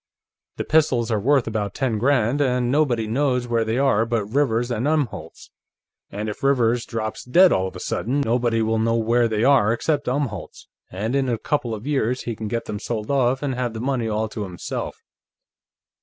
The pistols are worth about ten grand, and nobody knows where they are but Rivers and Umholtz, and if Rivers drops dead all of a sudden, nobody will know where they are except Umholtz, and in a couple of years he can get them sold off and have the money all to himself."